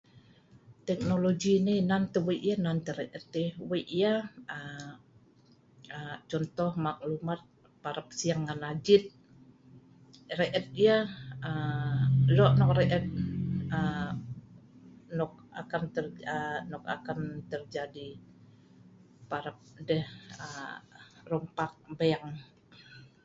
Teknologi ni nan tah weik yeh nan tah et yeh. Weik yah, aa contoh maklumat parap sing ngan ajit. Re'et yah lok nok re'et nok akan terjadi parap deh rompak bank.